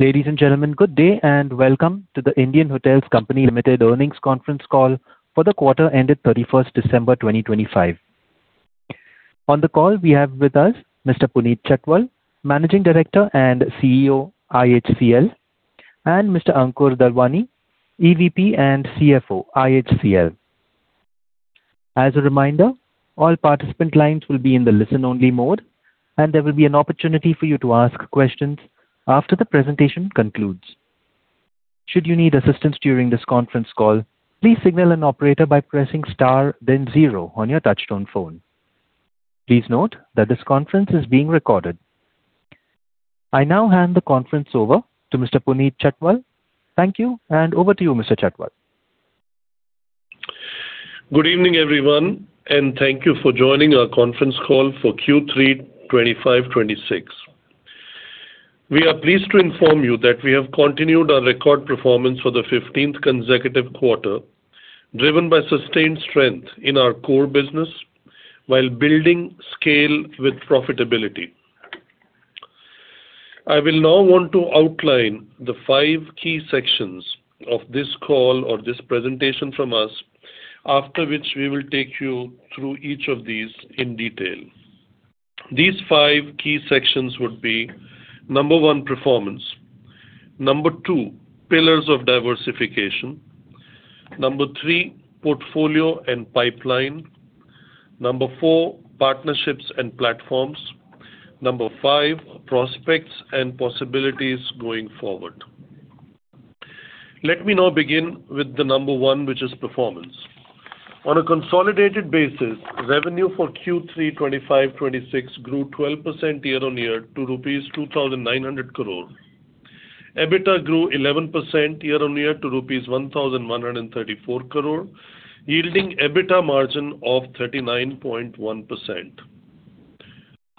Ladies and gentlemen, good day, and welcome to the Indian Hotels Company Limited earnings conference call for the quarter ended 31st December 2025. On the call, we have with us Mr. Puneet Chhatwal, Managing Director and CEO, IHCL, and Mr. Ankur Dalwani, EVP and CFO, IHCL. As a reminder, all participant lines will be in the listen-only mode, and there will be an opportunity for you to ask questions after the presentation concludes. Should you need assistance during this conference call, please signal an operator by pressing Star then Zero on your touchtone phone. Please note that this conference is being recorded. I now hand the conference over to Mr. Puneet Chhatwal. Thank you, and over to you, Mr. Chhatwal. Good evening, everyone, and thank you for joining our conference call for Q3 2025, 2026. We are pleased to inform you that we have continued our record performance for the 15th consecutive quarter, driven by sustained strength in our core business while building scale with profitability. I will now want to outline the 5 key sections of this call or this presentation from us, after which we will take you through each of these in detail. These 5 key sections would be: 1, performance. 2, pillars of diversification. 3, portfolio and pipeline. 4, partnerships and platforms. 5, prospects and possibilities going forward. Let me now begin with the 1, which is performance. On a consolidated basis, revenue for Q3 2025, 2026 grew 12% year-on-year to rupees 2,900 crore. EBITDA grew 11% year-on-year to rupees 1,134 crore, yielding EBITDA margin of 39.1%.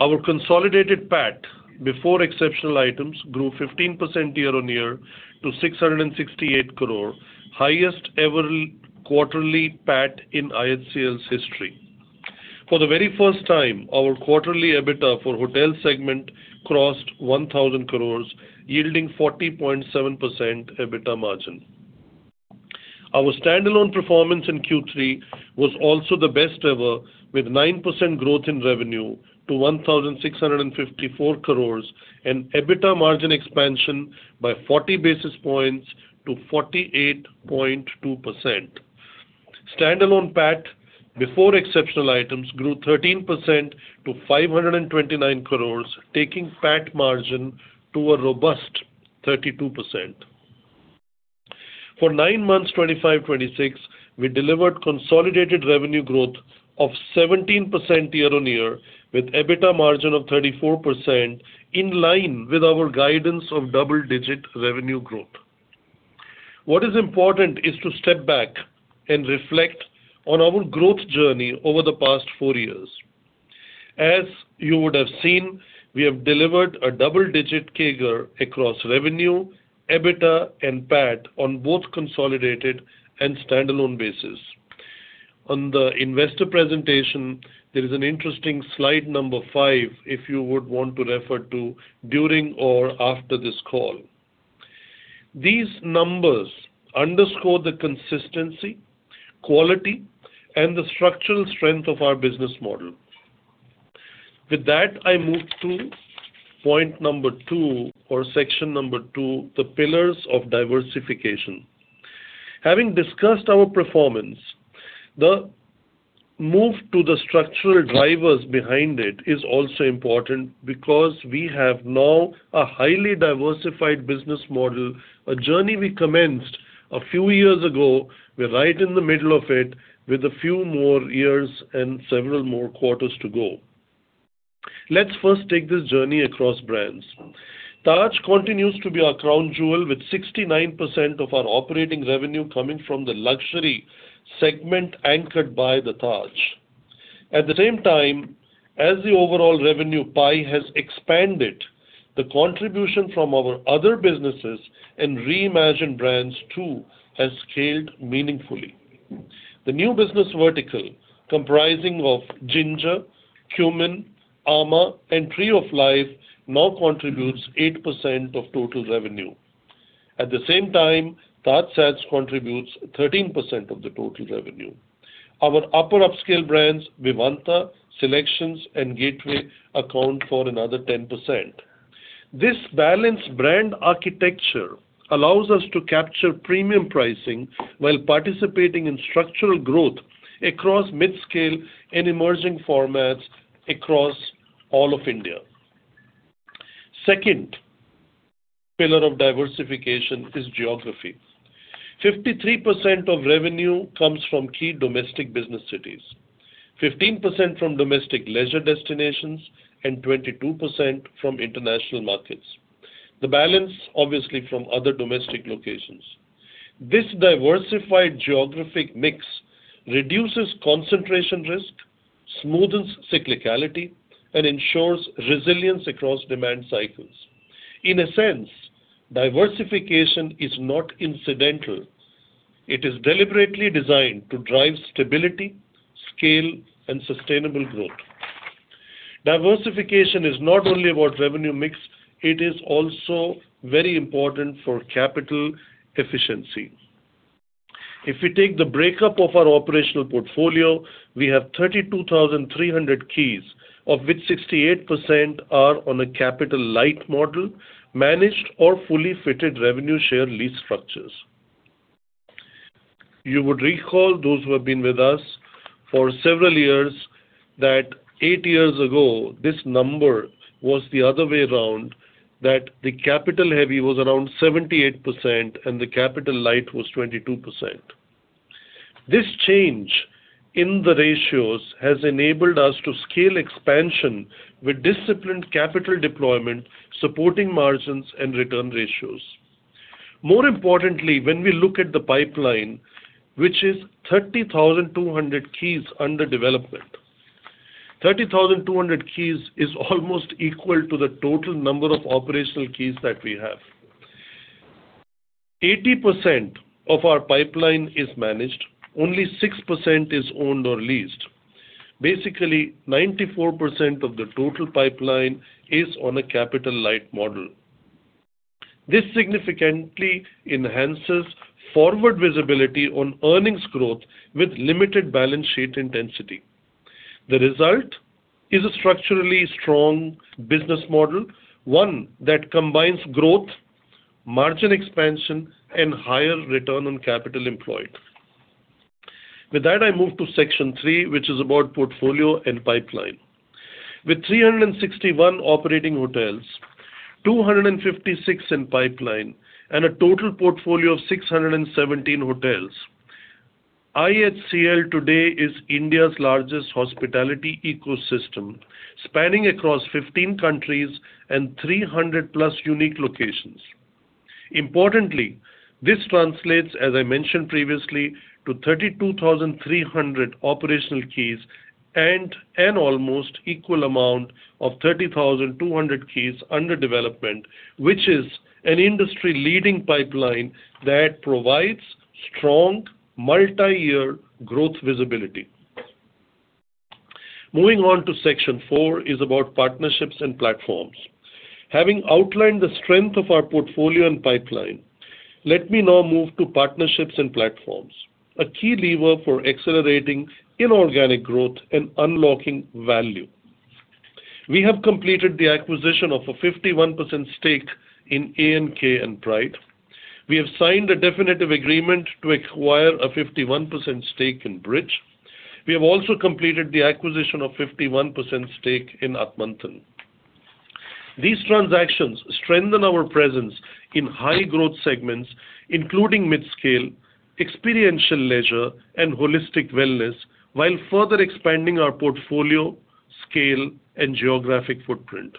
Our consolidated PAT, before exceptional items, grew 15% year-on-year to 668 crore, highest ever quarterly PAT in IHCL's history. For the very first time, our quarterly EBITDA for hotel segment crossed 1,000 crores, yielding 40.7% EBITDA margin. Our standalone performance in Q3 was also the best ever, with 9% growth in revenue to 1,654 crores and EBITDA margin expansion by 40 basis points to 48.2%. Standalone PAT, before exceptional items, grew 13% to 529 crores, taking PAT margin to a robust 32%. For nine months, 25, 26, we delivered consolidated revenue growth of 17% year-on-year, with EBITDA margin of 34%, in line with our guidance of double-digit revenue growth. What is important is to step back and reflect on our growth journey over the past four years. As you would have seen, we have delivered a double-digit CAGR across revenue, EBITDA, and PAT on both consolidated and standalone basis. On the investor presentation, there is an interesting Slide number 5, if you would want to refer to during or after this call. These numbers underscore the consistency, quality, and the structural strength of our business model. With that, I move to point number 2 or section number 2, the pillars of diversification. Having discussed our performance, the move to the structural drivers behind it is also important because we have now a highly diversified business model, a journey we commenced a few years ago. We're right in the middle of it with a few more years and several more quarters to go. Let's first take this journey across brands. Taj continues to be our crown jewel, with 69% of our operating revenue coming from the luxury segment anchored by the Taj. At the same time, as the overall revenue pie has expanded, the contribution from our other businesses and reimagined brands, too, has scaled meaningfully. The new business vertical, comprising of Ginger, Qmin, amã, and Tree of Life, now contributes 8% of total revenue. At the same time, TajSATS contributes 13% of the total revenue. Our upper upscale brands, Vivanta, SeleQtions, and Gateway, account for another 10%. This balanced brand architecture allows us to capture premium pricing while participating in structural growth across mid-scale and emerging formats across all of India. Second pillar of diversification is geography. 53% of revenue comes from key domestic business cities, 15% from domestic leisure destinations, and 22% from international markets. The balance, obviously, from other domestic locations. This diversified geographic mix reduces concentration risk, smoothens cyclicality, and ensures resilience across demand cycles. In a sense, diversification is not incidental. It is deliberately designed to drive stability, scale, and sustainable growth.... Diversification is not only about revenue mix, it is also very important for capital efficiency. If you take the breakup of our operational portfolio, we have 32,300 keys, of which 68% are on a capital-light model, managed or fully fitted revenue share lease structures. You would recall, those who have been with us for several years, that 8 years ago, this number was the other way around, that the capital heavy was around 78% and the capital light was 22%. This change in the ratios has enabled us to scale expansion with disciplined capital deployment, supporting margins and return ratios. More importantly, when we look at the pipeline, which is 30,200 keys under development, 30,200 keys is almost equal to the total number of operational keys that we have. 80% of our pipeline is managed, only 6% is owned or leased. Basically, 94% of the total pipeline is on a capital light model. This significantly enhances forward visibility on earnings growth with limited balance sheet intensity. The result is a structurally strong business model, one that combines growth, margin expansion, and higher return on capital employed. With that, I move to section three, which is about portfolio and pipeline. With 361 operating hotels, 256 in pipeline, and a total portfolio of 617 hotels, IHCL today is India's largest hospitality ecosystem, spanning across 15 countries and 300+ unique locations. Importantly, this translates, as I mentioned previously, to 32,300 operational keys and an almost equal amount of 30,200 keys under development, which is an industry-leading pipeline that provides strong multi-year growth visibility. Moving on to section four is about partnerships and platforms. Having outlined the strength of our portfolio and pipeline, let me now move to partnerships and platforms, a key lever for accelerating inorganic growth and unlocking value. We have completed the acquisition of a 51% stake in amã and Pride. We have signed a definitive agreement to acquire a 51% stake in Brij. We have also completed the acquisition of 51% stake in Atmantan. These transactions strengthen our presence in high growth segments, including mid-scale, experiential leisure, and holistic wellness, while further expanding our portfolio, scale, and geographic footprint.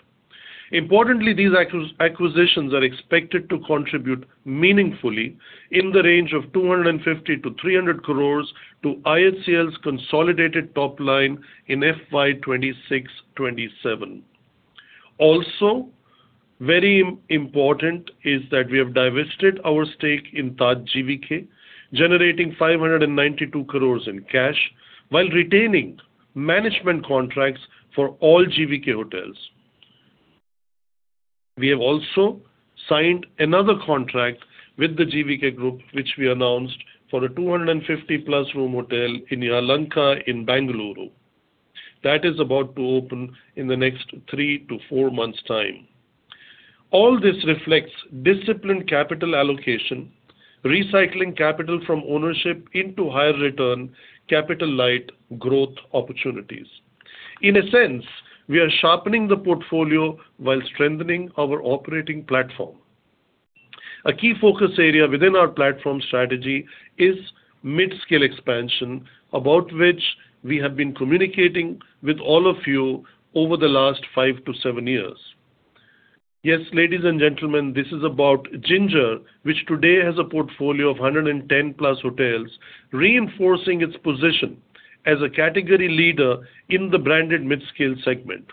Importantly, these acquisitions are expected to contribute meaningfully in the range of 250-300 crores to IHCL's consolidated top line in FY 2026-2027. Also, very important is that we have divested our stake in TajGVK, generating 592 crores in cash while retaining management contracts for all GVK hotels. We have also signed another contract with the GVK Group, which we announced for a 250+ room hotel in Yelahanka in Bengaluru. That is about to open in the next 3-4 months' time. All this reflects disciplined capital allocation, recycling capital from ownership into higher return, capital light growth opportunities. In a sense, we are sharpening the portfolio while strengthening our operating platform. A key focus area within our platform strategy is mid-scale expansion, about which we have been communicating with all of you over the last 5-7 years. Yes, ladies and gentlemen, this is about Ginger, which today has a portfolio of 110+ hotels, reinforcing its position as a category leader in the branded mid-scale segment.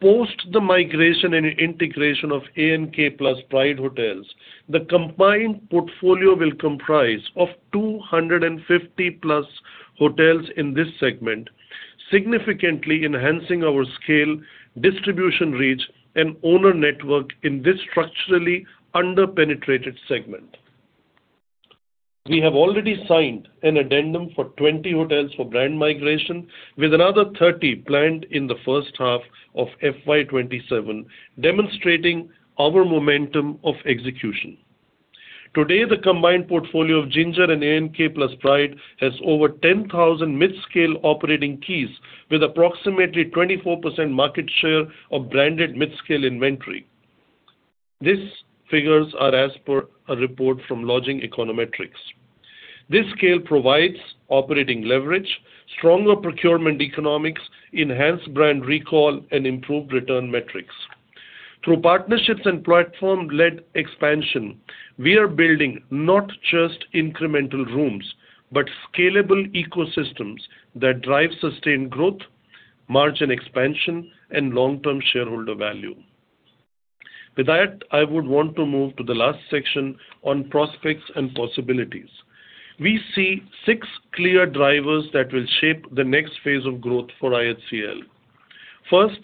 Post the migration and integration of Keys Plus Pride Hotels, the combined portfolio will comprise of 250+ hotels in this segment, significantly enhancing our scale, distribution reach, and owner network in this structurally under-penetrated segment. We have already signed an addendum for 20 hotels for brand migration, with another 30 planned in the first half of FY 2027, demonstrating our momentum of execution. Today, the combined portfolio of Ginger and Keys Plus Pride has over 10,000 mid-scale operating keys, with approximately 24% market share of branded mid-scale inventory. These figures are as per a report from Lodging Econometrics. This scale provides operating leverage, stronger procurement economics, enhanced brand recall, and improved return metrics. Through partnerships and platform-led expansion, we are building not just incremental rooms, but scalable ecosystems that drive sustained growth, margin expansion, and long-term shareholder value.... With that, I would want to move to the last section on prospects and possibilities. We see 6 clear drivers that will shape the next phase of growth for IHCL. First,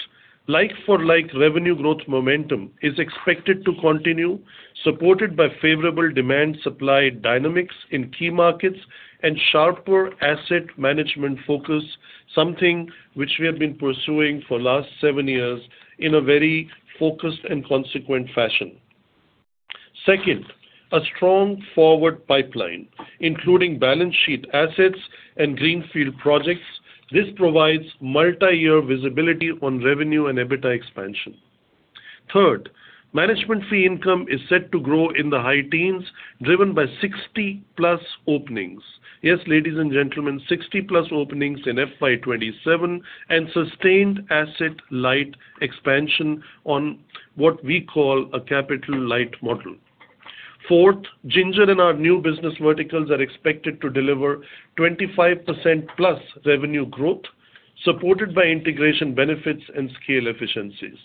like-for-like revenue growth momentum is expected to continue, supported by favorable demand supply dynamics in key markets and sharper asset management focus, something which we have been pursuing for last 7 years in a very focused and consequent fashion. Second, a strong forward pipeline, including balance sheet assets and Greenfield projects. This provides multi-year visibility on revenue and EBITDA expansion. Third, management fee income is set to grow in the high teens, driven by 60+ openings. Yes, ladies and gentlemen, 60+ openings in FY 2027, and sustained asset-light expansion on what we call a capital-light model. Fourth, Ginger and our new business verticals are expected to deliver 25%+ revenue growth, supported by integration benefits and scale efficiencies.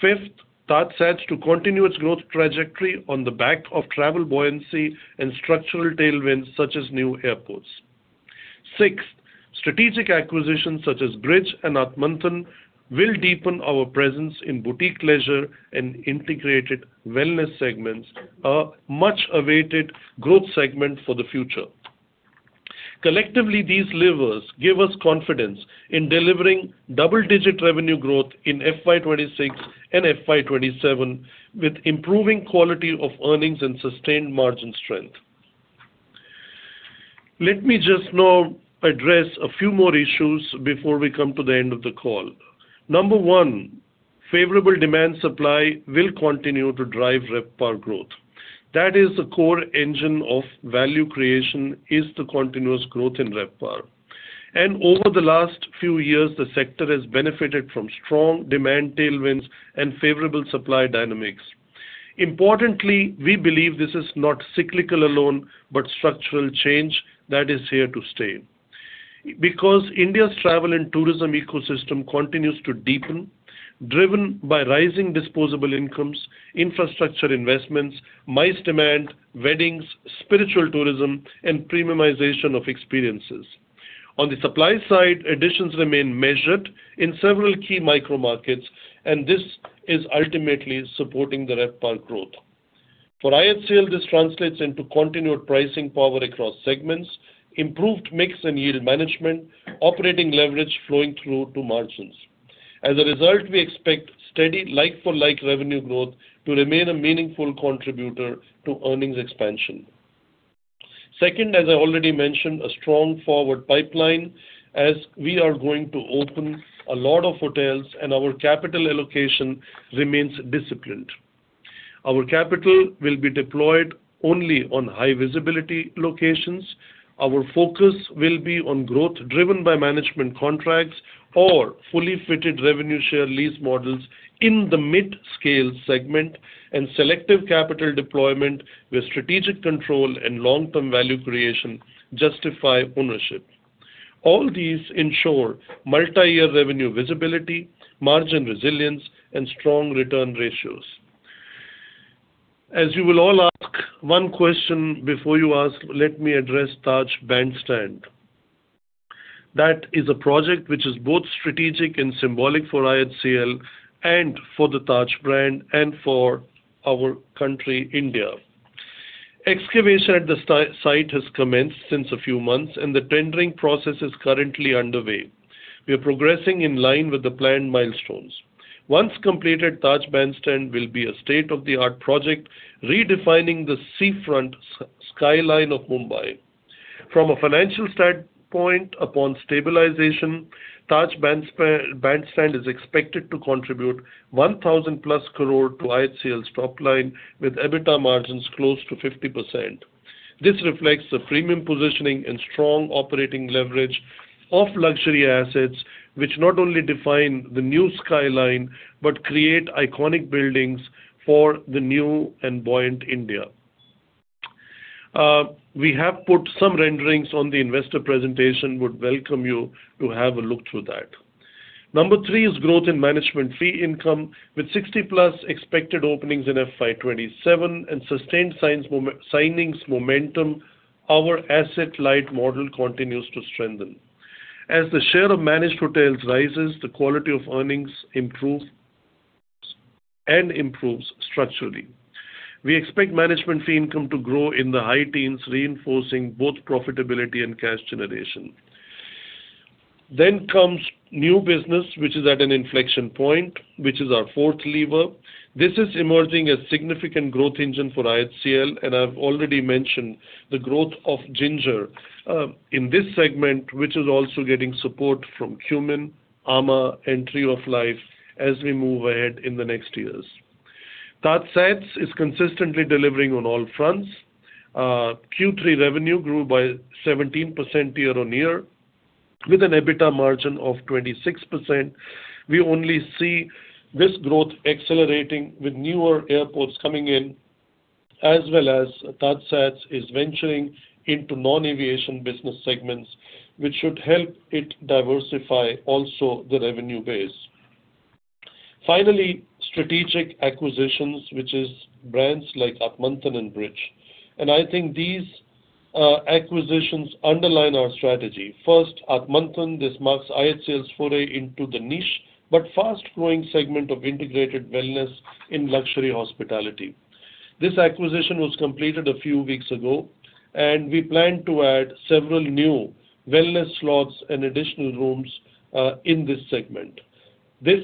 Fifth, TajSATS to continue its growth trajectory on the back of travel buoyancy and structural tailwinds, such as new airports. Sixth, strategic acquisitions such as Brij and Atmantan will deepen our presence in boutique leisure and integrated wellness segments, a much-awaited growth segment for the future. Collectively, these levers give us confidence in delivering double-digit revenue growth in FY 2026 and FY 2027, with improving quality of earnings and sustained margin strength. Let me just now address a few more issues before we come to the end of the call. Number one, favorable demand supply will continue to drive RevPAR growth. That is the core engine of value creation, is the continuous growth in RevPAR. And over the last few years, the sector has benefited from strong demand tailwinds and favorable supply dynamics. Importantly, we believe this is not cyclical alone, but structural change that is here to stay. Because India's travel and tourism ecosystem continues to deepen, driven by rising disposable incomes, infrastructure investments, MICE demand, weddings, spiritual tourism, and premiumization of experiences. On the supply side, additions remain measured in several key micro markets, and this is ultimately supporting the RevPAR growth. For IHCL, this translates into continued pricing power across segments, improved mix and yield management, operating leverage flowing through to margins. As a result, we expect steady like-for-like revenue growth to remain a meaningful contributor to earnings expansion. Second, as I already mentioned, a strong forward pipeline as we are going to open a lot of hotels and our capital allocation remains disciplined. Our capital will be deployed only on high visibility locations. Our focus will be on growth driven by management contracts or fully fitted revenue share lease models in the mid-scale segment, and selective capital deployment where strategic control and long-term value creation justify ownership. All these ensure multi-year revenue visibility, margin resilience, and strong return ratios. As you will all ask one question before you ask, let me address Taj Bandstand. That is a project which is both strategic and symbolic for IHCL and for the Taj brand and for our country, India. Excavation at the site has commenced since a few months, and the tendering process is currently underway. We are progressing in line with the planned milestones. Once completed, Taj Bandstand will be a state-of-the-art project, redefining the seafront skyline of Mumbai. From a financial standpoint, upon stabilization, Taj Bandstand is expected to contribute 1,000+ crore to IHCL's top line, with EBITDA margins close to 50%. This reflects the premium positioning and strong operating leverage of luxury assets, which not only define the new skyline, but create iconic buildings for the new and buoyant India. We have put some renderings on the investor presentation, would welcome you to have a look through that. Number three is growth in management fee income, with 60+ expected openings in FY 2027 and sustained signings momentum, our asset-light model continues to strengthen. As the share of managed hotels rises, the quality of earnings improves and improves structurally. We expect management fee income to grow in the high teens, reinforcing both profitability and cash generation. Then comes new business, which is at an inflection point, which is our fourth lever. This is emerging a significant growth engine for IHCL, and I've already mentioned the growth of Ginger in this segment, which is also getting support from Qmin, amã, and Tree of Life as we move ahead in the next years. TajSATS is consistently delivering on all fronts. Q3 revenue grew by 17% year-on-year, with an EBITDA margin of 26%. We only see this growth accelerating with newer airports coming in, as well as TajSATS is venturing into non-aviation business segments, which should help it diversify also the revenue base. Finally, strategic acquisitions, which is brands like Atmantan and Brij. And I think these acquisitions underline our strategy. First, Atmantan, this marks IHCL's foray into the niche, but fast-growing segment of integrated wellness in luxury hospitality. This acquisition was completed a few weeks ago, and we plan to add several new wellness slots and additional rooms in this segment. This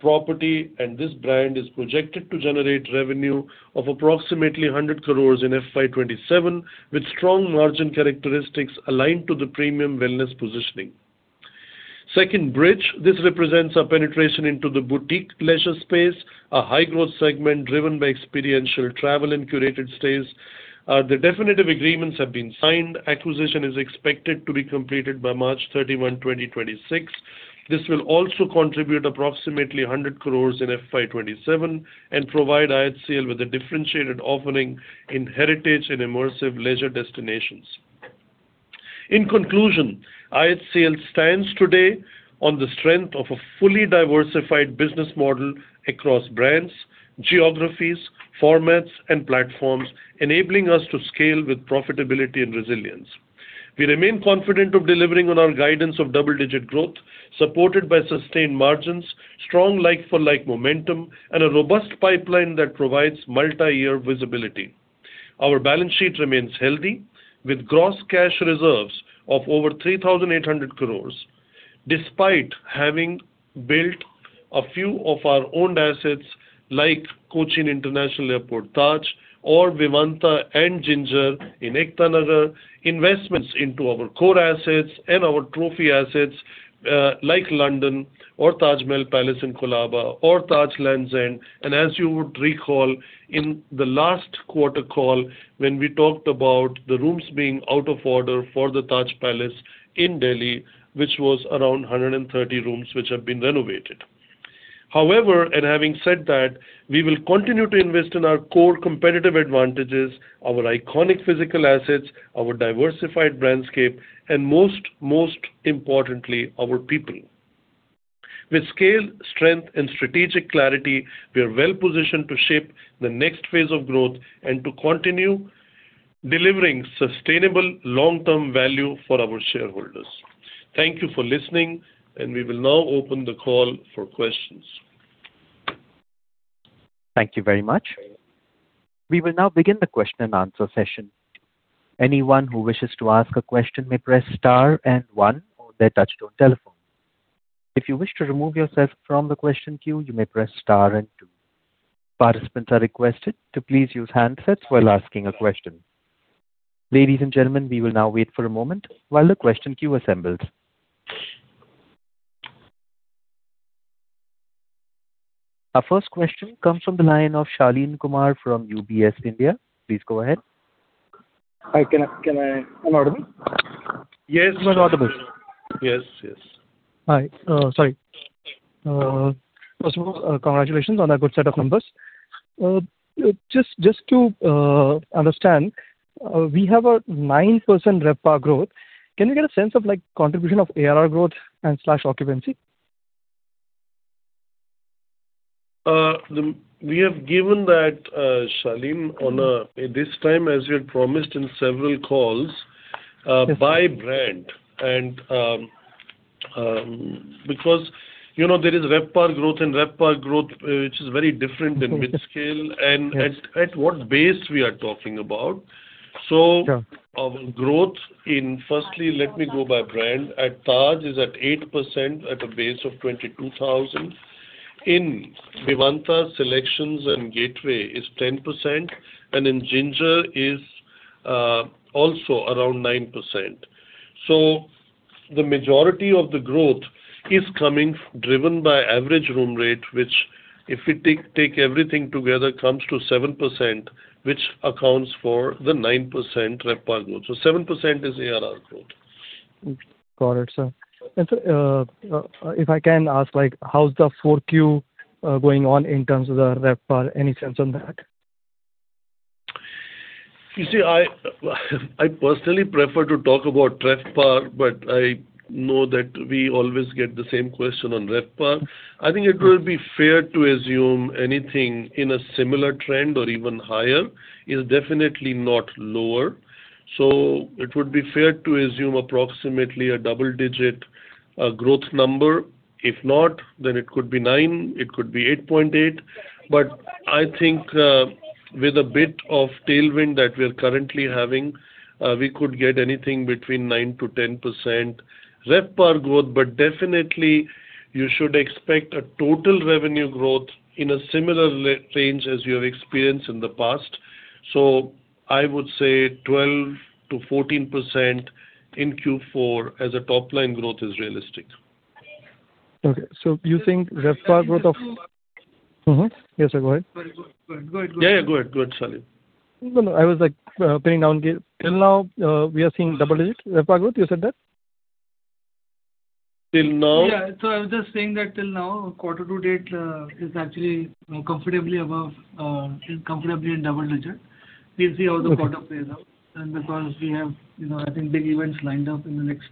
property and this brand is projected to generate revenue of approximately 100 crores in FY 2027, with strong margin characteristics aligned to the premium wellness positioning. Second, Brij. This represents a penetration into the boutique leisure space, a high-growth segment driven by experiential travel and curated stays. The definitive agreements have been signed. Acquisition is expected to be completed by March 31, 2026. This will also contribute approximately 100 crores in FY 2027 and provide IHCL with a differentiated offering in heritage and immersive leisure destinations. In conclusion, IHCL stands today on the strength of a fully diversified business model across brands, geographies, formats, and platforms, enabling us to scale with profitability and resilience. We remain confident of delivering on our guidance of double-digit growth, supported by sustained margins, strong like-for-like momentum, and a robust pipeline that provides multi-year visibility. Our balance sheet remains healthy, with gross cash reserves of over 3,800 crores, despite having built a few of our own assets like Cochin International Airport, Taj, or Vivanta and Ginger in Ekta Nagar, investments into our core assets and our trophy assets, like London or Taj Mahal Palace in Colaba or Taj Lands End. As you would recall, in the last quarter call, when we talked about the rooms being out of order for the Taj Palace in Delhi, which was around 130 rooms, which have been renovated. However, and having said that, we will continue to invest in our core competitive advantages, our iconic physical assets, our diversified brandscape, and most, most importantly, our people. With scale, strength, and strategic clarity, we are well positioned to shape the next phase of growth and to continue delivering sustainable long-term value for our shareholders. Thank you for listening, and we will now open the call for questions. Thank you very much. We will now begin the question and answer session. Anyone who wishes to ask a question may press star and one on their touchtone telephone. If you wish to remove yourself from the question queue, you may press star and two. Participants are requested to please use handsets while asking a question. Ladies and gentlemen, we will now wait for a moment while the question queue assembles. Our first question comes from the line of Shaleen Kumar from UBS, India. Please go ahead. Hi, can I, can I unmute me? Yes, you are audible. Yes, yes. Hi. Sorry. First of all, congratulations on a good set of numbers. Just to understand, we have a 9% RevPAR growth. Can we get a sense of, like, contribution of ARR growth and slash occupancy? We have given that, Shaleen, on this time, as we had promised in several calls, by brand. And because, you know, there is RevPAR growth and RevPAR growth, which is very different than mid-scale- Mm-hmm. Yes. and at what base we are talking about. Sure. So our growth in... firstly, let me go by brand. At Taj is at 8% at a base of 22,000. In Vivanta, SeleQtions and Gateway is 10%, and in Ginger is also around 9%. So the majority of the growth is coming driven by average room rate, which, if we take everything together, comes to 7%, which accounts for the 9% RevPAR growth. So 7% is ARR growth. Got it, sir. Sir, if I can ask, like, how's the 4Q going on in terms of the RevPAR? Any sense on that? You see, I personally prefer to talk about TRevPAR, but I know that we always get the same question on RevPAR. I think it would be fair to assume anything in a similar trend or even higher. It is definitely not lower. So it would be fair to assume approximately a double-digit growth number. If not, then it could be 9, it could be 8.8. But I think, with a bit of tailwind that we are currently having, we could get anything between 9%-10% RevPAR growth, but definitely you should expect a total revenue growth in a similar range as you have experienced in the past. So I would say 12%-14% in Q4 as a top line growth is realistic. Okay. So you think RevPAR growth of- Mm-hmm? Yes, sir, go ahead. Go ahead. Go ahead, Shaleen. No, no. I was, like, pinning down till, till now, we are seeing double-digit RevPAR growth, you said that?... Till now? Yeah, so I was just saying that till now, quarter to date, is actually, you know, comfortably above, comfortably in double digit. We'll see how the quarter plays out. And because we have, you know, I think big events lined up in the next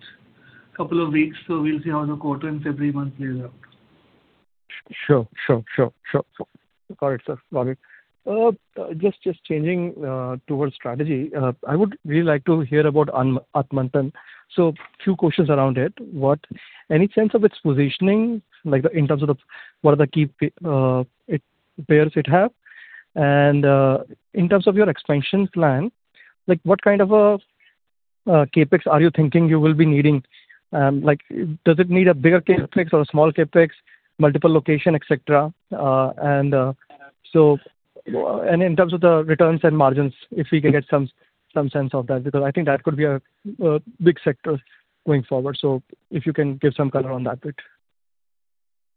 couple of weeks, so we'll see how the quarter and February month plays out. Sure, sure, sure, sure. Got it, sir. Got it. Just changing towards strategy. I would really like to hear about Atmantan. So few questions around it. Any sense of its positioning, like the, in terms of the, what are the key it pairs it have? And in terms of your expansion plan, like, what kind of a CapEx are you thinking you will be needing? Like, does it need a bigger CapEx or a small CapEx, multiple location, et cetera? And in terms of the returns and margins, if we can get some sense of that, because I think that could be a big sector going forward. So if you can give some color on that bit.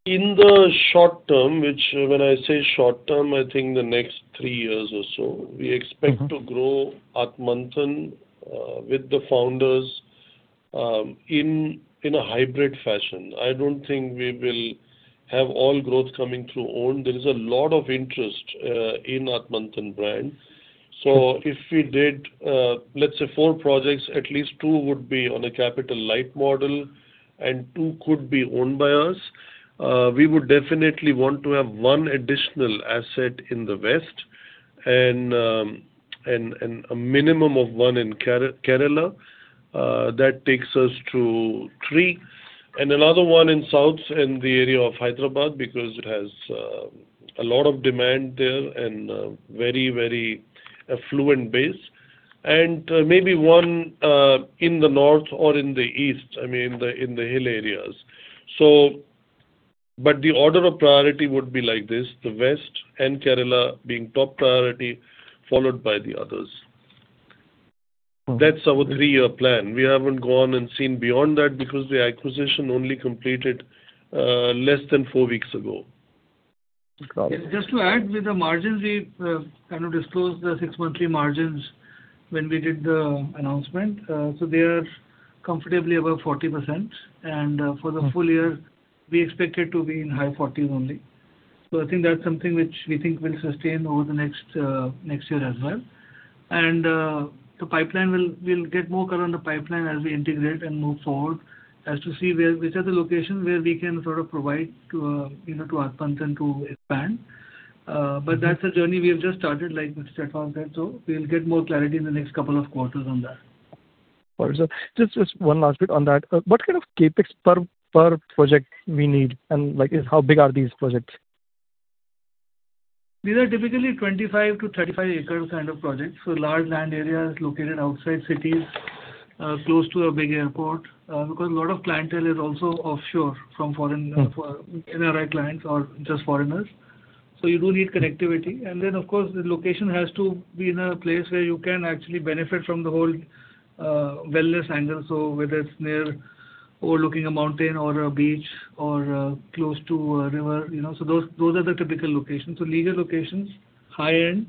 In the short term, which when I say short term, I think the next three years or so, we expect- Mm-hmm. To grow Atmantan, with the founders, in a hybrid fashion. I don't think we will have all growth coming through own. There is a lot of interest, in Atmantan brand. So if we did, let's say four projects, at least two would be on a Capital Light Model, and two could be owned by us. We would definitely want to have one additional asset in the west, and, and a minimum of one in Kerala. That takes us to three. And another one in south, in the area of Hyderabad, because it has, a lot of demand there and, very, very affluent base. And maybe one, in the north or in the east, I mean, the, in the hill areas. But the order of priority would be like this: the west and Kerala being top priority, followed by the others. That's our three-year plan. We haven't gone and seen beyond that because the acquisition only completed less than four weeks ago. Just to add, with the margins, we kind of disclosed the six monthly margins when we did the announcement. So they are comfortably above 40%. And for the full year, we expect it to be in high 40s% only. So I think that's something which we think will sustain over the next year as well. And the pipeline will. We'll get more color on the pipeline as we integrate and move forward, as to see where, which are the locations where we can sort of provide to, you know, to Atmantan to expand. But that's a journey we have just started, like Mr. Chhatwal said, so we'll get more clarity in the next couple of quarters on that. All right, sir. Just, just one last bit on that. What kind of CapEx per, per project we need, and, like, how big are these projects? These are typically 25-35 acres kind of projects. So large land areas located outside cities, close to a big airport, because a lot of clientele is also offshore from foreign- Mm. NRI clients or just foreigners. So you do need connectivity. And then, of course, the location has to be in a place where you can actually benefit from the whole wellness angle. So whether it's near or overlooking a mountain or a beach or close to a river, you know. So those, those are the typical locations. So leisure locations, high-end,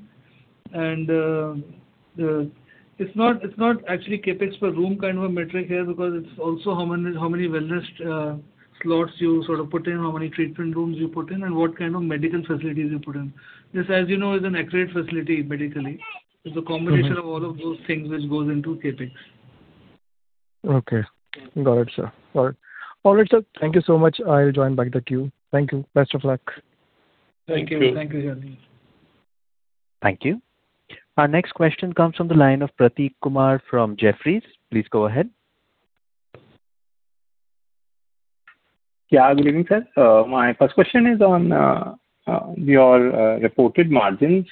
and it's not, it's not actually CapEx per room kind of a metric here, because it's also how many, how many wellness slots you sort of put in, how many treatment rooms you put in, and what kind of medical facilities you put in. This, as you know, is an accurate facility medically. Mm-hmm. It's a combination of all of those things which goes into CapEx. Okay. Got it, sir. All right. All right, sir, thank you so much. I'll join back the queue. Thank you. Best of luck. Thank you. Thank you, Charlie. Thank you. Our next question comes from the line of Prateek Kumar from Jefferies. Please go ahead. Yeah, good evening, sir. My first question is on your reported margins.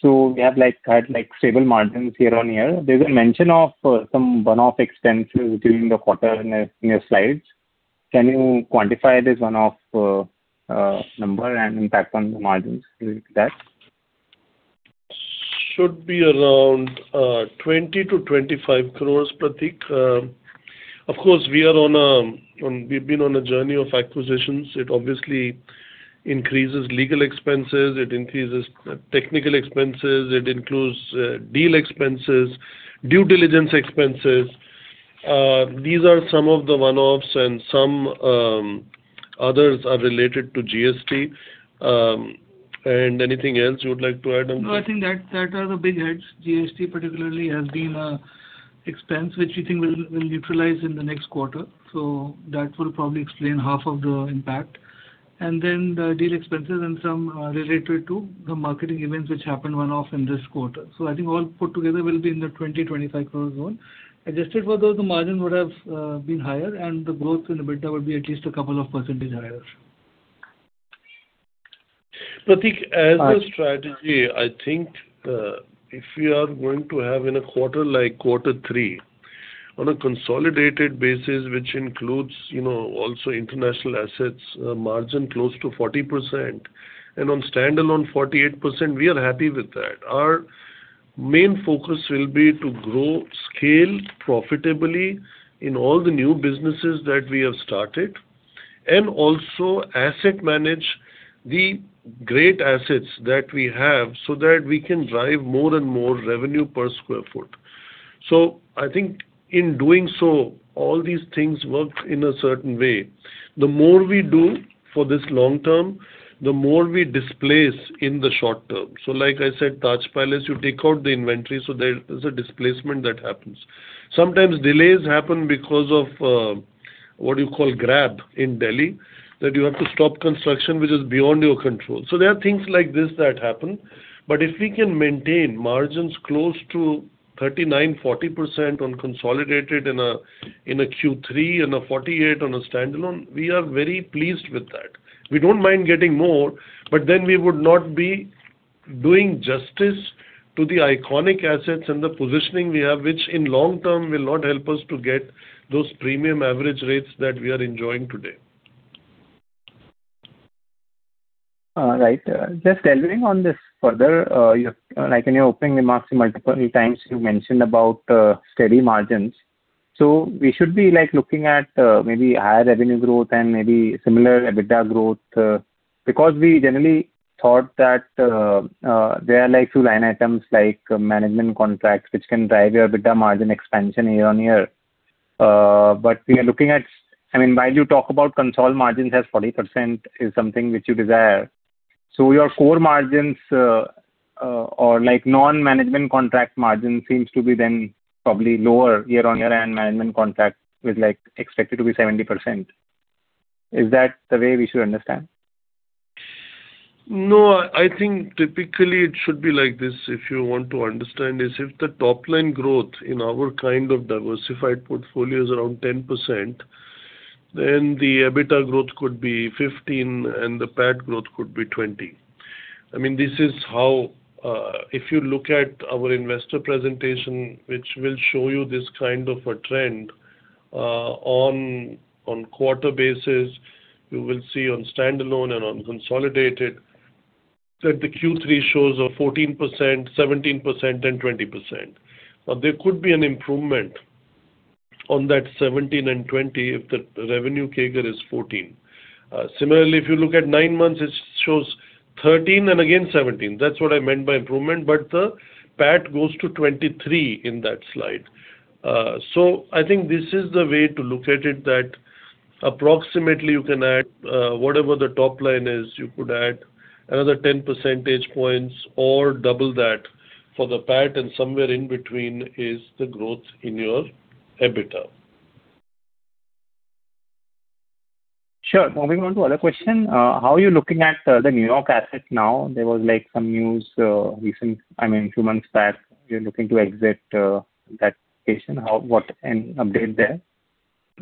So we have, like, had, like, stable margins year on year. There's a mention of some one-off expenses during the quarter in your slides. Can you quantify this one-off number and impact on the margins with that? Should be around 20 crore-25 crore, Prateek. Of course, we've been on a journey of acquisitions. It obviously increases legal expenses, it increases technical expenses, it includes deal expenses, due diligence expenses. These are some of the one-offs, and some others are related to GST. And anything else you would like to add on? No, I think that, that are the big hits. GST particularly has been an expense which we think will, will utilize in the next quarter. So that will probably explain half of the impact. And then the deal expenses and some, related to the marketing events, which happened one-off in this quarter. So I think all put together will be in the 20-25 crore zone. Adjusted for those, the margin would have, been higher, and the growth in the EBITDA would be at least a couple of percentage higher. Prateek, as a strategy, I think, if we are going to have in a quarter like quarter three, on a consolidated basis, which includes, you know, also international assets, margin close to 40%, and on standalone 48%, we are happy with that. Our main focus will be to grow, scale profitably in all the new businesses that we have started, and also asset manage the great assets that we have, so that we can drive more and more revenue per square foot. So I think in doing so, all these things work in a certain way. The more we do for this long term, the more we displace in the short term. So like I said, Taj Palace, you take out the inventory, so there is a displacement that happens. Sometimes delays happen because of, what you call GRAP in Delhi, that you have to stop construction, which is beyond your control. So there are things like this that happen. But if we can maintain margins close to 39%-40% on consolidated in a Q3 and a 48% on a standalone, we are very pleased with that. We don't mind getting more, but then we would not be doing justice to the iconic assets and the positioning we have, which in long term will not help us to get those premium average rates that we are enjoying today. Right. Just delivering on this further, you-- like in your opening remarks, multiple times you mentioned about steady margins. So we should be, like, looking at maybe higher revenue growth and maybe similar EBITDA growth, because we generally thought that there are like few line items, like management contracts, which can drive your EBITDA margin expansion year-on-year. But we are looking at-- I mean, while you talk about consolidated margins as 40% is something which you desire, so your core margins, or like non-management contract margin seems to be then probably lower year-on-year, and management contract is, like, expected to be 70%. Is that the way we should understand? No, I think typically it should be like this, if you want to understand this: If the top line growth in our kind of diversified portfolio is around 10%, then the EBITDA growth could be 15, and the PAT growth could be 20. I mean, this is how... If you look at our investor presentation, which will show you this kind of a trend, on, on quarter basis, you will see on standalone and on consolidated, that the Q3 shows a 14%, 17%, and 20%. Now, there could be an improvement on that 17 and 20 if the revenue CAGR is 14. Similarly, if you look at nine months, it shows 13 and again 17. That's what I meant by improvement, but the PAT goes to 23 in that slide. I think this is the way to look at it, that approximately you can add, whatever the top line is, you could add another 10 percentage points or double that for the PAT, and somewhere in between is the growth in your EBITDA. Sure. Moving on to other question. How are you looking at the New York asset now? There was, like, some news recent, I mean, a few months back, you're looking to exit that station. How, what, any update there?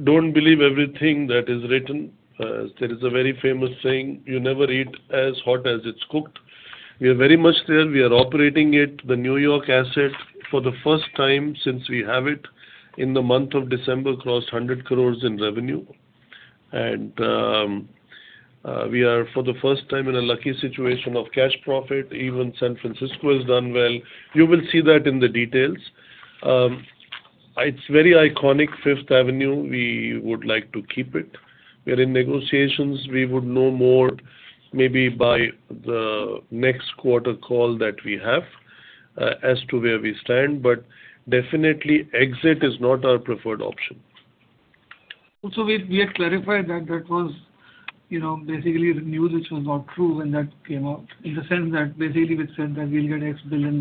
Don't believe everything that is written. There is a very famous saying: "You never eat as hot as it's cooked." We are very much there. We are operating it. The New York asset, for the first time since we have it, in the month of December, crossed 100 crore in revenue, and we are, for the first time, in a lucky situation of cash profit. Even San Francisco has done well. You will see that in the details. It's very iconic, Fifth Avenue, we would like to keep it. We're in negotiations. We would know more maybe by the next quarter call that we have, as to where we stand, but definitely exit is not our preferred option. Also, we have clarified that that was, you know, basically news which was not true when that came out, in the sense that basically which said that we'll get $X billion,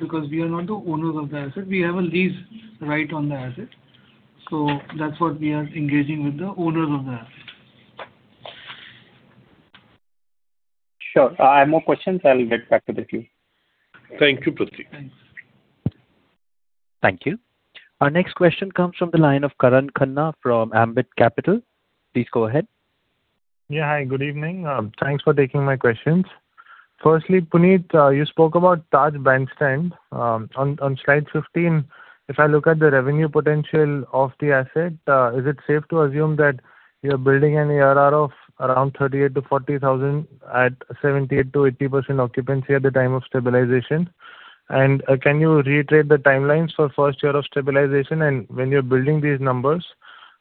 because we are not the owners of the asset. We have a lease right on the asset, so that's what we are engaging with the owners of the asset. Sure. I have more questions. I'll get back to the queue. Thank you, Prateek. Thanks. Thank you. Our next question comes from the line of Karan Khanna from Ambit Capital. Please go ahead. Yeah. Hi, good evening. Thanks for taking my questions. Firstly, Puneet, you spoke about Taj Bandstand. On Slide 15, if I look at the revenue potential of the asset, is it safe to assume that you're building an ARR of around 38,000-40,000 at 78%-80% occupancy at the time of stabilization? And, can you reiterate the timelines for first year of stabilization? And when you're building these numbers,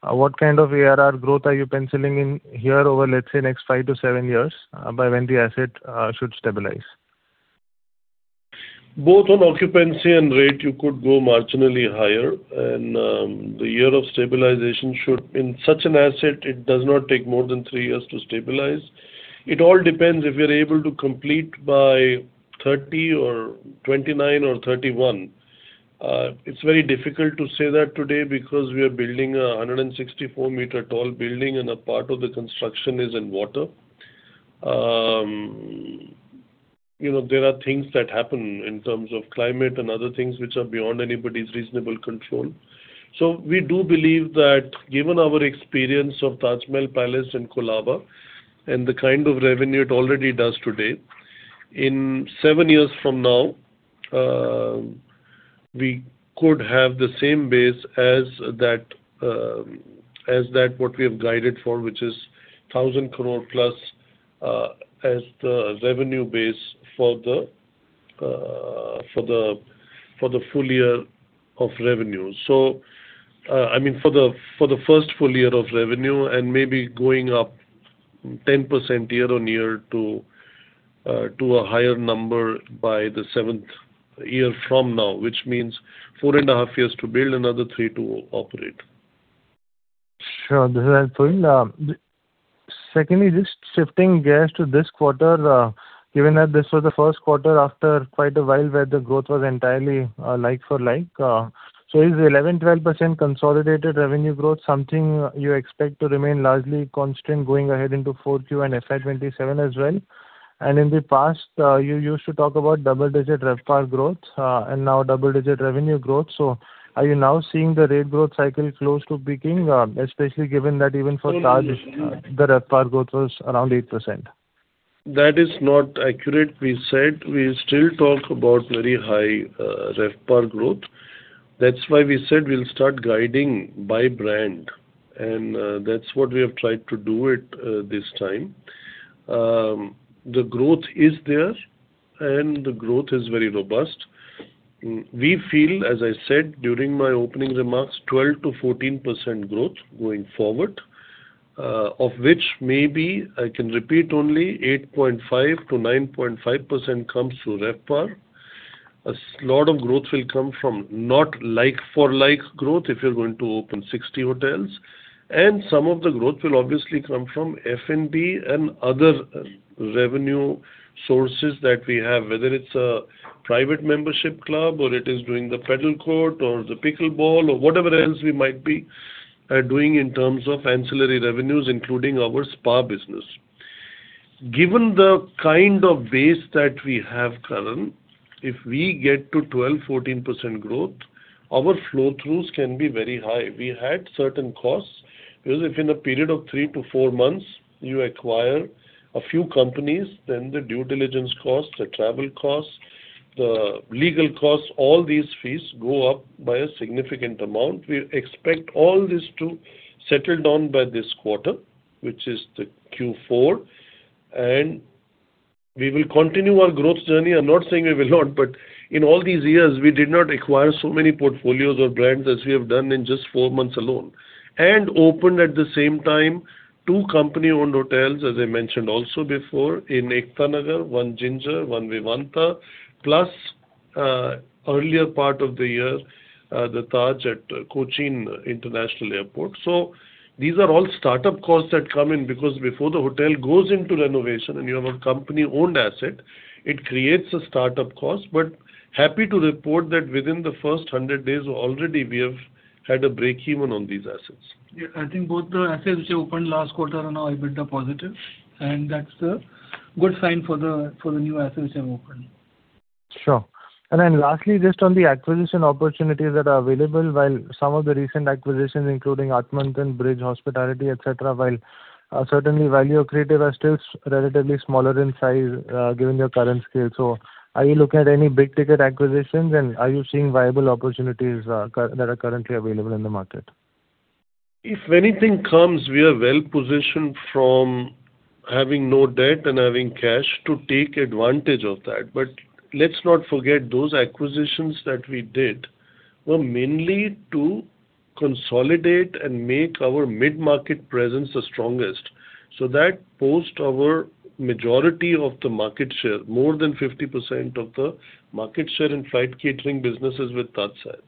what kind of ARR growth are you penciling in here over, let's say, next 5-7 years, by when the asset should stabilize? Both on occupancy and rate, you could go marginally higher, and, the year of stabilization should... In such an asset, it does not take more than three years to stabilize. It all depends if we are able to complete by 2030 or 2029 or 2031. It's very difficult to say that today because we are building a 164-meter-tall building, and a part of the construction is in water. You know, there are things that happen in terms of climate and other things which are beyond anybody's reasonable control. So we do believe that given our experience of Taj Mahal Palace in Colaba and the kind of revenue it already does today, in seven years from now, we could have the same base as that, as that what we have guided for, which is 1,000 crore plus, as the revenue base for the-... For the full year of revenue. So, I mean, for the first full year of revenue, and maybe going up 10% year-on-year to a higher number by the seventh year from now, which means four and a half years to build, another three to operate. Sure, this is helpful. Secondly, just shifting gears to this quarter, given that this was the first quarter after quite a while, where the growth was entirely like-for-like, so is 11%-12% consolidated revenue growth something you expect to remain largely constant going ahead into Q4 and FY 2027 as well? And in the past, you used to talk about double-digit RevPAR growth, and now double-digit revenue growth. So are you now seeing the rate growth cycle close to peaking, especially given that even for Ginger, the RevPAR growth was around 8%? That is not accurate. We said we still talk about very high, RevPAR growth. That's why we said we'll start guiding by brand, and, that's what we have tried to do it, this time. The growth is there, and the growth is very robust. We feel, as I said during my opening remarks, 12%-14% growth going forward, of which maybe I can repeat only 8.5%-9.5% comes through RevPAR. A lot of growth will come from not like-for-like growth if you're going to open 60 hotels, and some of the growth will obviously come from F&B and other revenue sources that we have, whether it's a private membership club, or it is doing the Padel court or the pickleball, or whatever else we might be doing in terms of ancillary revenues, including our spa business. Given the kind of base that we have, Karan, if we get to 12%-14% growth, our flow-throughs can be very high. We had certain costs, because if in a period of 3-4 months you acquire a few companies, then the due diligence costs, the travel costs, the legal costs, all these fees go up by a significant amount. We expect all this to settle down by this quarter, which is the Q4, and we will continue our growth journey. I'm not saying we will not, but in all these years we did not acquire so many portfolios or brands as we have done in just 4 months alone. And opened at the same time, 2 company-owned hotels, as I mentioned also before, in Ekta Nagar, 1 Ginger, 1 Vivanta, plus, earlier part of the year, the Taj at Cochin International Airport. So these are all startup costs that come in, because before the hotel goes into renovation and you have a company-owned asset, it creates a startup cost. But happy to report that within the first 100 days, already we have had a breakeven on these assets. Yeah, I think both the assets which opened last quarter are now EBITDA positive, and that's a good sign for the new assets which have opened. Sure. And then lastly, just on the acquisition opportunities that are available, while some of the recent acquisitions, including Atmantan, Brij Hospitality, et cetera, while, certainly value accretive, are still relatively smaller in size, given your current scale. So are you looking at any big-ticket acquisitions, and are you seeing viable opportunities, that are currently available in the market? If anything comes, we are well positioned from having no debt and having cash to take advantage of that. But let's not forget, those acquisitions that we did were mainly to consolidate and make our mid-market presence the strongest. So that post our majority of the market share, more than 50% of the market share in flight catering business is with TajSATS.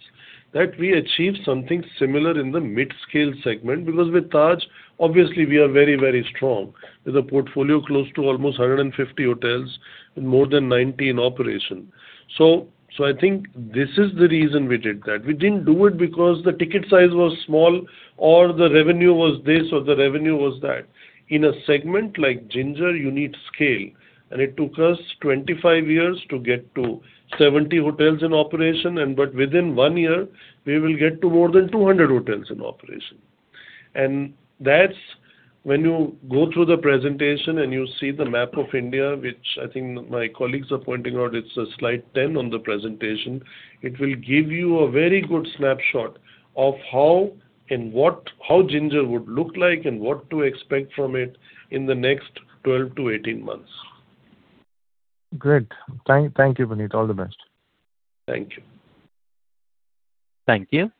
That we achieved something similar in the mid-scale segment, because with Taj, obviously we are very, very strong. With a portfolio close to almost 150 hotels and more than 90 in operation. So, so I think this is the reason we did that. We didn't do it because the ticket size was small or the revenue was this or the revenue was that. In a segment like Ginger, you need scale, and it took us 25 years to get to 70 hotels in operation, and but within one year we will get to more than 200 hotels in operation. And that's when you go through the presentation and you see the map of India, which I think my colleagues are pointing out, it's a Slide 10 on the presentation. It will give you a very good snapshot of how and what - how Ginger would look like and what to expect from it in the next 12-18 months. Great. Thank you, Puneet. All the best. Thank you. Thank you.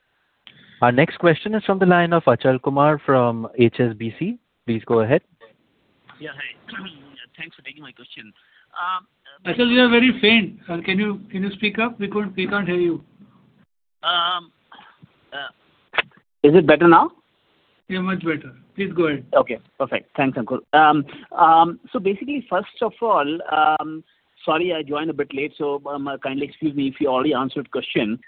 Our next question is from the line of Achal Kumar from HSBC. Please go ahead. Yeah, hi. Thanks for taking my question. Achal, you are very faint. Can you speak up? We can't hear you. Is it better now? Yeah, much better. Please go ahead. Okay, perfect. Thanks, Ankur. So basically, first of all, sorry, I joined a bit late, so kindly excuse me if you already answered question.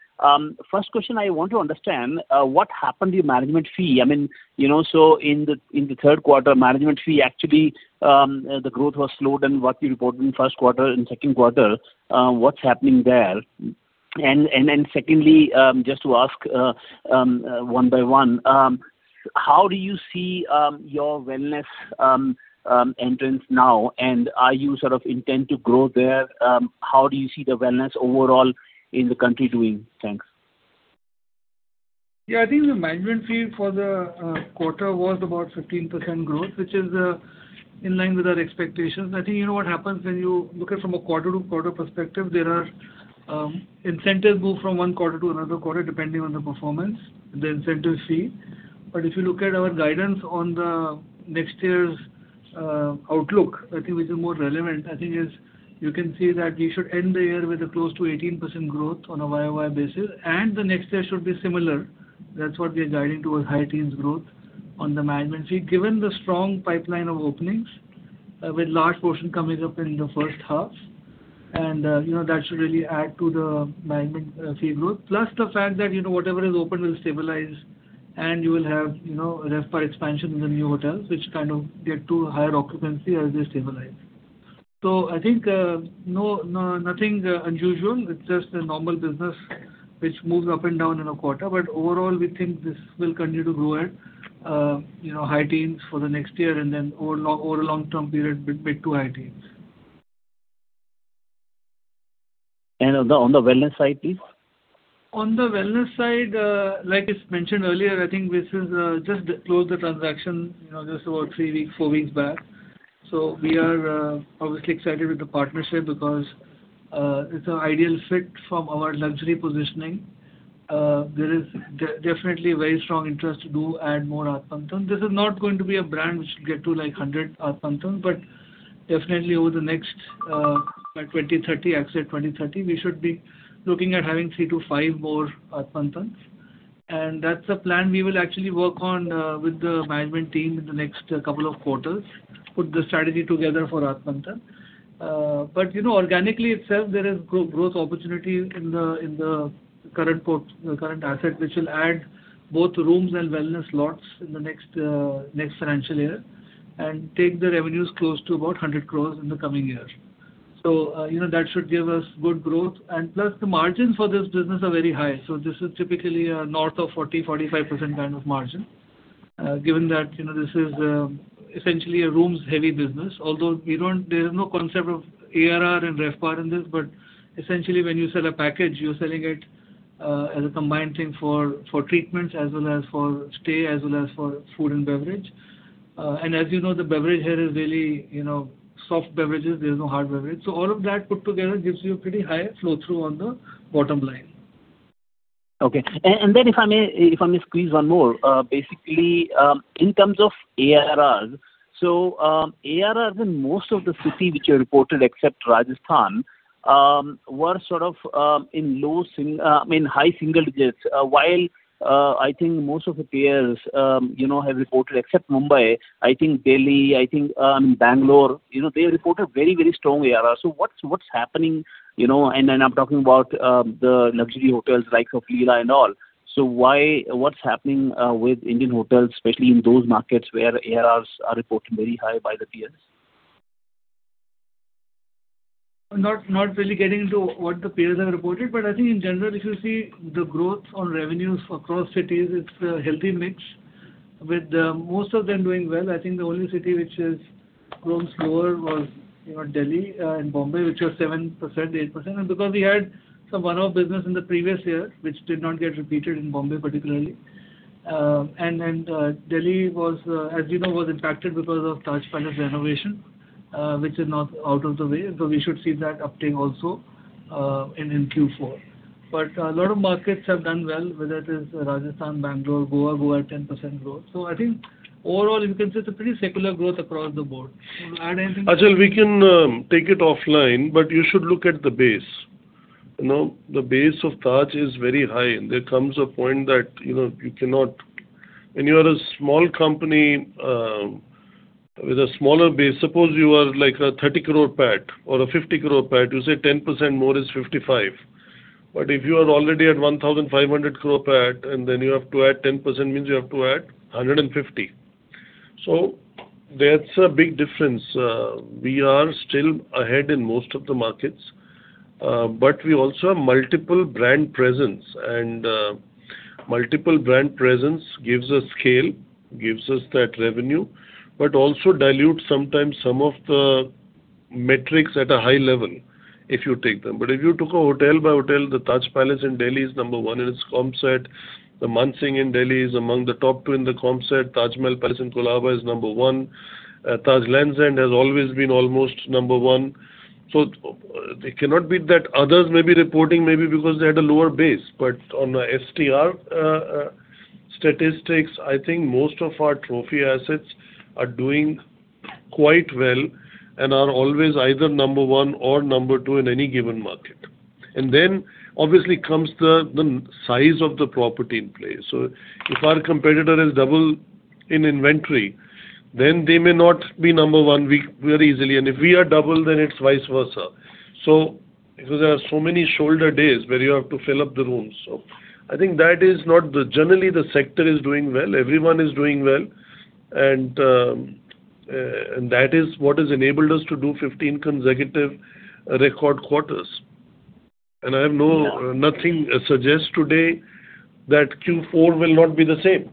First question, I want to understand what happened to your management fee? I mean, you know, so in the third quarter, management fee, actually, the growth was slower than what you reported in first quarter and second quarter. What's happening there? And then secondly, just to ask one by one, how do you see your wellness entrance now? And are you sort of intent to grow there? How do you see the wellness overall in the country doing? Thanks.... Yeah, I think the management fee for the quarter was about 15% growth, which is in line with our expectations. I think you know what happens when you look at it from a quarter-to-quarter perspective, there are incentives move from one quarter to another quarter, depending on the performance, the incentive fee. But if you look at our guidance on the next year's outlook, I think which is more relevant, I think is you can see that we should end the year with a close to 18% growth on a YOY basis, and the next year should be similar. That's what we are guiding towards high teens growth on the management fee. Given the strong pipeline of openings with large portion coming up in the first half, and, you know, that should really add to the management fee growth. Plus, the fact that, you know, whatever is open will stabilize, and you will have, you know, RevPAR expansion in the new hotels, which kind of get to higher occupancy as they stabilize. So I think, no, no, nothing unusual. It's just a normal business which moves up and down in a quarter. But overall, we think this will continue to grow at, you know, high teens for the next year, and then over a long-term period, mid to high teens. And on the wellness side, please? On the wellness side, like it's mentioned earlier, I think this is just closed the transaction, you know, just about three weeks, four weeks back. So we are obviously excited with the partnership because it's an ideal fit from our luxury positioning. There is definitely a very strong interest to do add more Atmantan. This is not going to be a brand which should get to, like, 100 Atmantan, but definitely over the next, by 2030, exit 2030, we should be looking at having 3-5 more Atmantans. And that's a plan we will actually work on with the management team in the next couple of quarters, put the strategy together for Atmantan. But you know, organically itself, there is growth opportunity in the, in the current asset, which will add both rooms and wellness lots in the next financial year, and take the revenues close to about 100 crore in the coming years. So, you know, that should give us good growth. And plus, the margins for this business are very high, so this is typically north of 40%-45% kind of margin. Given that, you know, this is essentially a rooms-heavy business, although we don't—there is no concept of ARR and RevPAR in this, but essentially when you sell a package, you're selling it as a combined thing for treatments, as well as for stay, as well as for food and beverage. And as you know, the beverage here is really, you know, soft beverages. There's no hard beverage. All of that put together gives you a pretty high flow-through on the bottom line. Okay. And then if I may, if I may squeeze one more. Basically, in terms of ARRs, so, ARRs in most of the cities which you reported except Rajasthan, were sort of in low single, I mean, high single digits. While, I think most of the peers, you know, have reported, except Mumbai, I think Delhi, I think, Bangalore, you know, they reported very, very strong ARR. So what's, what's happening, you know, and then I'm talking about the luxury hotels like Leela and all. So why-- What's happening with Indian Hotels, especially in those markets where ARRs are reporting very high by the peers? Not, not really getting into what the peers have reported, but I think in general, if you see the growth on revenues across cities, it's a healthy mix, with most of them doing well. I think the only city which has grown slower was, you know, Delhi and Bombay, which was 7%, 8%. And because we had some one-off business in the previous year, which did not get repeated in Bombay, particularly. And then Delhi was, as you know, was impacted because of Taj Palace renovation, which is now out of the way, so we should see that uptick also in Q4. But a lot of markets have done well, whether it is Rajasthan, Bangalore, Goa. Goa, 10% growth. So I think overall, you can see it's a pretty secular growth across the board. You want to add anything? Achal, we can take it offline, but you should look at the base. You know, the base of Taj is very high, and there comes a point that, you know, you cannot... When you are a small company with a smaller base, suppose you are like a 30 crore PAT or a 50 crore PAT, you say 10% more is 55. But if you are already at 1,500 crore PAT, and then you have to add 10%, means you have to add 150. So that's a big difference. We are still ahead in most of the markets, but we also have multiple brand presence. Multiple brand presence gives us scale, gives us that revenue, but also dilutes sometimes some of the metrics at a high level, if you take them. But if you took a hotel by hotel, the Taj Palace in Delhi is number one in its comp set. The Mansingh in Delhi is among the top two in the comp set. Taj Mahal Palace in Colaba is number one. Taj Lands End has always been almost number one. So it cannot be that others may be reporting, maybe because they had a lower base. But on the STR statistics, I think most of our trophy assets are doing quite well and are always either number one or number two in any given market. And then, obviously, comes the size of the property in play. So if our competitor is double in inventory, then they may not be number one very easily, and if we are double, then it's vice versa. So because there are so many shoulder days where you have to fill up the rooms. So I think that is not the-- generally, the sector is doing well. Everyone is doing well. And, and that is what has enabled us to do 15 consecutive record quarters. And I have no- Yeah. Nothing suggests today that Q4 will not be the same.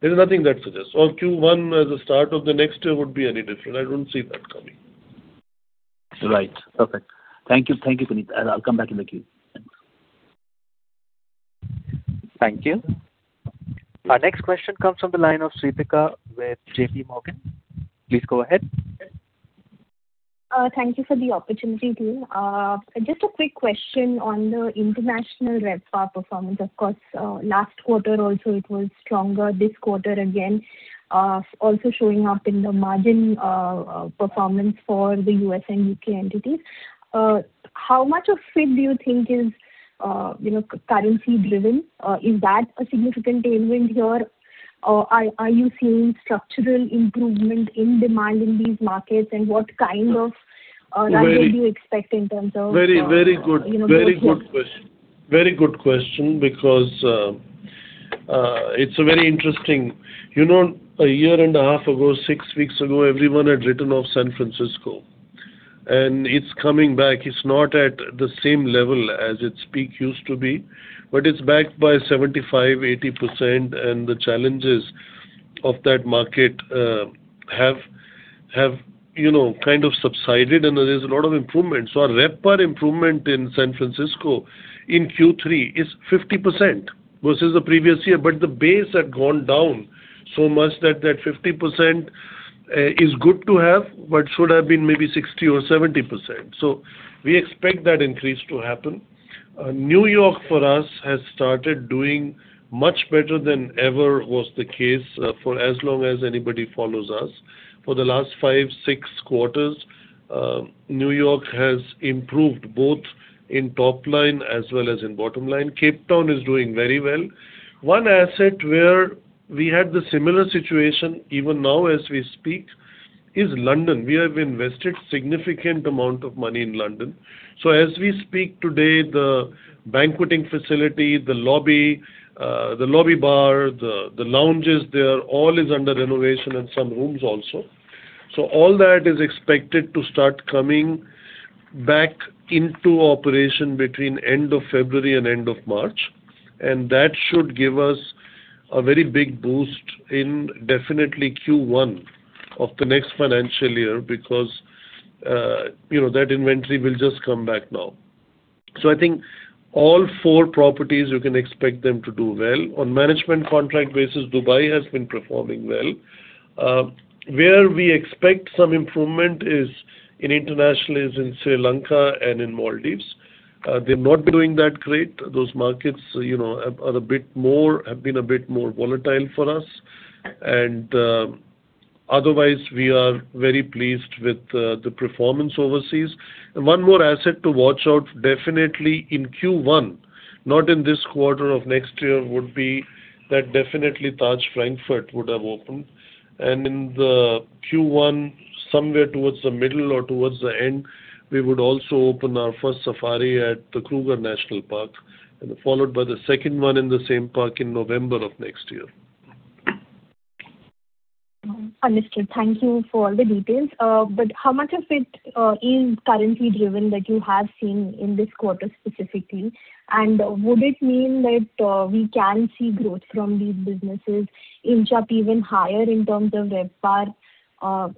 There is nothing that suggests, or Q1 as a start of the next year would be any different. I don't see that coming.... Right. Perfect. Thank you. Thank you, Puneet. I'll come back in the queue. Thanks. Thank you. Our next question comes from the line of Srilekha with J.P. Morgan. Please go ahead. Thank you for the opportunity too. Just a quick question on the international RevPAR performance. Of course, last quarter also it was stronger, this quarter again, also showing up in the margin performance for the U.S. and U.K. entities. How much of it do you think is, you know, currency driven? Is that a significant tailwind here, or are you seeing structural improvement in demand in these markets? And what kind of revenue- Very- -do you expect in terms of, you know- Very, very good, very good question. Very good question, because it's very interesting. You know, a year and a half ago, six weeks ago, everyone had written off San Francisco, and it's coming back. It's not at the same level as its peak used to be, but it's back by 75%-80%, and the challenges of that market have you know, kind of subsided, and there is a lot of improvement. So our RevPAR improvement in San Francisco in Q3 is 50% versus the previous year. But the base had gone down so much that that 50% is good to have, but should have been maybe 60% or 70%. So we expect that increase to happen. New York for us has started doing much better than ever was the case, for as long as anybody follows us. For the last five, six quarters, New York has improved both in top line as well as in bottom line. Cape Town is doing very well. One asset where we had the similar situation, even now as we speak, is London. We have invested significant amount of money in London. So as we speak today, the banqueting facility, the lobby, the lobby bar, the lounges there, all is under renovation, and some rooms also. So all that is expected to start coming back into operation between end of February and end of March, and that should give us a very big boost in definitely Q1 of the next financial year, because, you know, that inventory will just come back now. So I think all four properties, you can expect them to do well. On management contract basis, Dubai has been performing well. Where we expect some improvement is in international, in Sri Lanka and in Maldives. They're not doing that great. Those markets, you know, are a bit more, have been a bit more volatile for us. And otherwise, we are very pleased with the performance overseas. And one more asset to watch out definitely in Q1, not in this quarter of next year, would be that definitely Taj Frankfurt would have opened. And in the Q1, somewhere towards the middle or towards the end, we would also open our first safari at the Kruger National Park, and followed by the second one in the same park in November of next year. Understood. Thank you for all the details. But how much of it is currency driven that you have seen in this quarter specifically? And would it mean that we can see growth from these businesses inch up even higher in terms of RevPAR,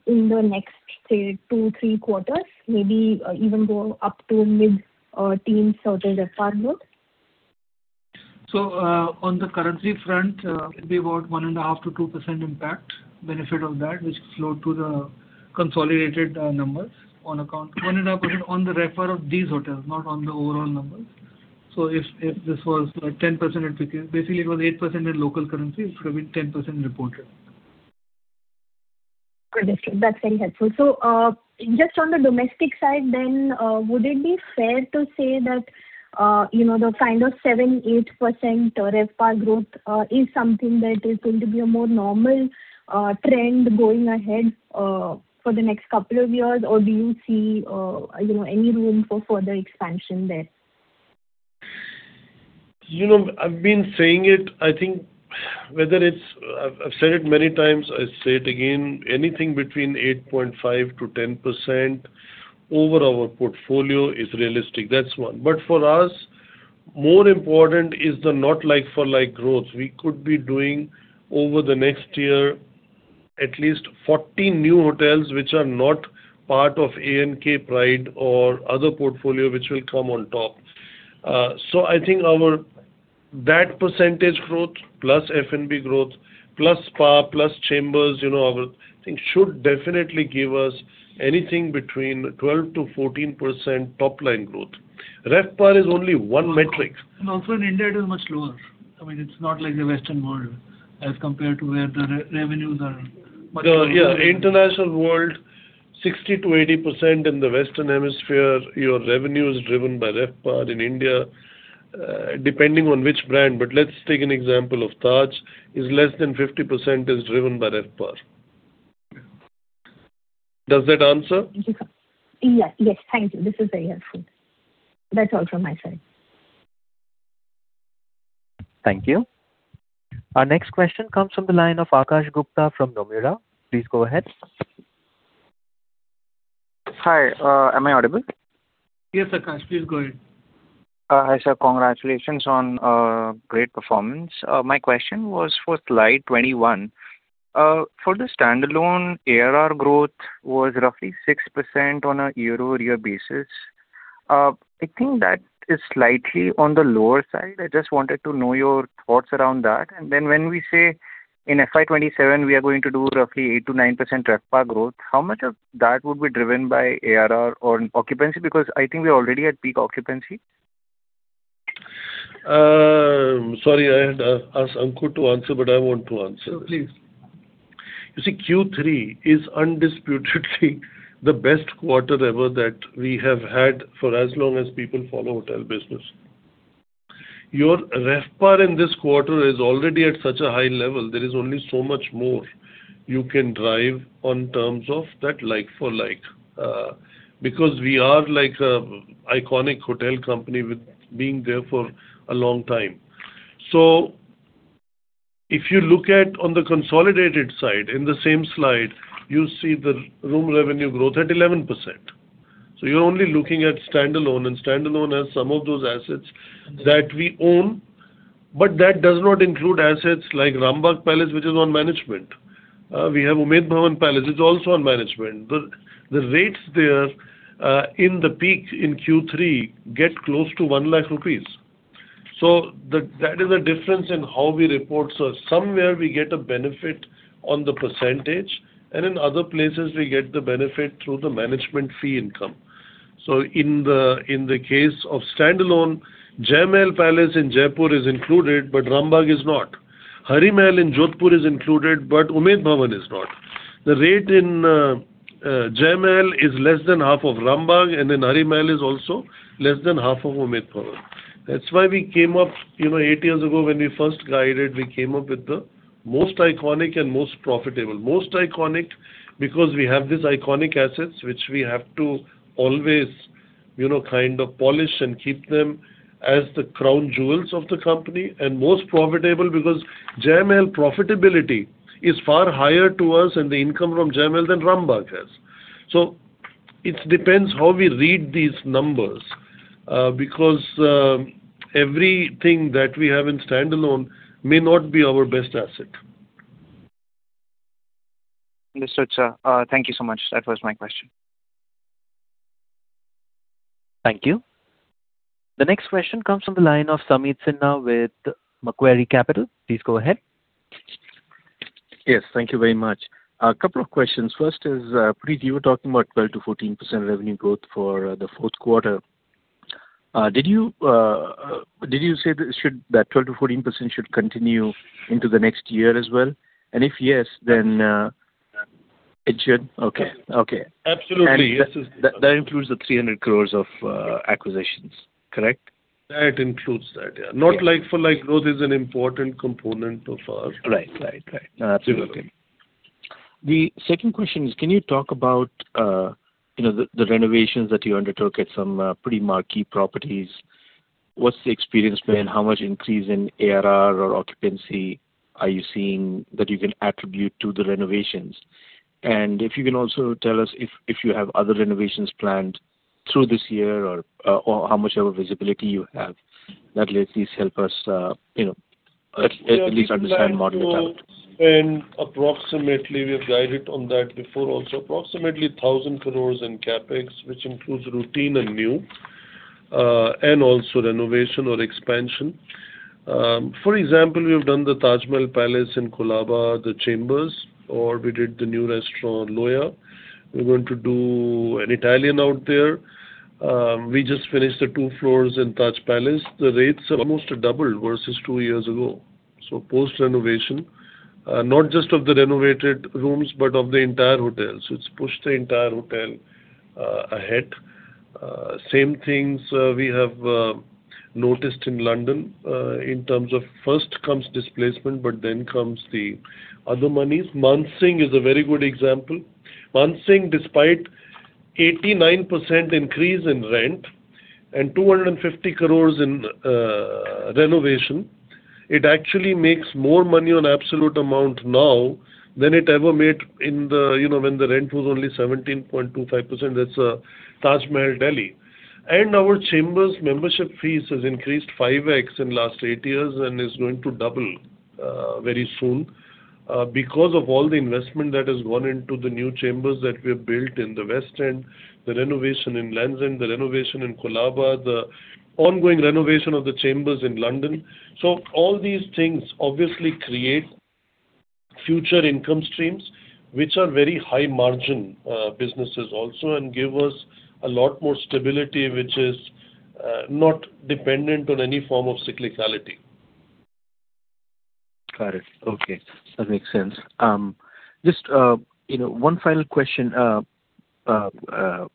in the next, say, two, three quarters, maybe, even go up to mid or teens hotel RevPAR growth? So, on the currency front, it'd be about 1.5%-2% impact benefit of that, which flowed to the consolidated numbers on account. 1.5% on the RevPAR of these hotels, not on the overall numbers. So if this was 10%, basically it was 8% in local currency, it would have been 10% reported. Understood. That's very helpful. So, just on the domestic side then, would it be fair to say that, you know, the kind of 7%-8% RevPAR growth is something that is going to be a more normal trend going ahead for the next couple of years? Or do you see, you know, any room for further expansion there? You know, I've been saying it, I think whether it's, I've said it many times, I say it again, anything between 8.5%-10% over our portfolio is realistic. That's one. But for us, more important is the not like-for-like growth. We could be doing over the next year, at least 14 new hotels, which are not part of Ama, Ginger, or other portfolio, which will come on top. So I think our that percentage growth, plus F&B growth, plus spa, plus Chambers, you know, our I think should definitely give us anything between 12%-14% top line growth. RevPAR is only one metric. Also in India, it is much lower. I mean, it's not like the Western world as compared to where the revenues are much more. Yeah, international world, 60%-80% in the Western Hemisphere, your revenue is driven by RevPAR. In India, depending on which brand, but let's take an example of Taj, is less than 50% is driven by RevPAR. Does that answer? Yes. Yes, thank you. This is very helpful. That's all from my side. Thank you. Our next question comes from the line of Akash Gupta from Nomura. Please go ahead. Hi, am I audible? Yes, Akash, please go ahead. Hi, sir. Congratulations on great performance. My question was for Slide 21. For the standalone, ARR growth was roughly 6% on a year-over-year basis. I think that is slightly on the lower side. I just wanted to know your thoughts around that. And then when we say in FY 2027, we are going to do roughly 8%-9% RevPAR growth, how much of that would be driven by ARR or occupancy? Because I think we're already at peak occupancy. Sorry, I had asked Ankur to answer, but I want to answer this. No, please. You see, Q3 is undisputedly the best quarter ever that we have had for as long as people follow hotel business. Your RevPAR in this quarter is already at such a high level, there is only so much more you can drive in terms of that like-for-like, because we are like an iconic hotel company with being there for a long time. So if you look at on the consolidated side, in the same slide, you see the room revenue growth at 11%. So you're only looking at standalone, and standalone has some of those assets that we own, but that does not include assets like Rambagh Palace, which is on management. We have Umaid Bhawan Palace, it's also on management. The rates there, in the peak in Q3 get close to 100,000 rupees. So that is a difference in how we report. So somewhere we get a benefit on the percentage, and in other places, we get the benefit through the management fee income. So in the case of standalone, Jai Mahal Palace in Jaipur is included, but Rambagh Palace is not. Hari Mahal in Jodhpur is included, but Umaid Bhawan Palace is not. The rate in Jai Mahal is less than half of Rambagh Palace, and then Hari Mahal is also less than half of Umaid Bhawan Palace. That's why we came up. You know, eight years ago, when we first guided, we came up with the most iconic and most profitable. Most iconic because we have these iconic assets which we have to always, you know, kind of polish and keep them as the crown jewels of the company. Most profitable because Jai Mahal profitability is far higher to us and the income from Jai Mahal than Rambagh has. It depends how we read these numbers, because everything that we have in standalone may not be our best asset. Understood, sir. Thank you so much. That was my question. Thank you. The next question comes from the line of Sameet Sinha with Macquarie Capital. Please go ahead. Yes, thank you very much. A couple of questions. First is, Puneet, you were talking about 12%-14% revenue growth for the fourth quarter. Did you say that it should—that 12%-14% should continue into the next year as well? And if yes, then it should... Okay. Okay. Absolutely. That includes the 300 crore of acquisitions, correct? That includes that, yeah. Yeah. Not like-for-like, growth is an important component of our- Right. Right. Right. Yeah. Absolutely. The second question is, can you talk about, you know, the renovations that you undertook at some pretty marquee properties? What's the experience been? How much increase in ARR or occupancy are you seeing that you can attribute to the renovations? And if you can also tell us if you have other renovations planned through this year or how much of a visibility you have? That will at least help us, you know, at least understand model development. Approximately, we have guided on that before. Also, approximately 1,000 crores in CapEx, which includes routine and new, and also renovation or expansion. For example, we have done the Taj Mahal Palace in Colaba, the Chambers, or we did the new restaurant, Loya. We're going to do an Italian out there. We just finished the two floors in Taj Palace. The rates have almost doubled versus two years ago. So post-renovation, not just of the renovated rooms, but of the entire hotel. So it's pushed the entire hotel, ahead. Same things, we have, noticed in London, in terms of first comes displacement, but then comes the other monies. Mansingh is a very good example. Mansingh, despite 89% increase in rent and 250 crore in renovation, it actually makes more money on absolute amount now than it ever made in the, you know, when the rent was only 17.25%. That's Taj Mahal, Delhi. Our Chambers membership fees has increased 5x in last eight years and is going to double very soon because of all the investment that has gone into the new Chambers that we have built in the West End, the renovation in London, the renovation in Colaba, the ongoing renovation of the Chambers in London. So all these things obviously create future income streams, which are very high margin businesses also, and give us a lot more stability, which is not dependent on any form of cyclicality. Got it. Okay, that makes sense. Just, you know, one final question. How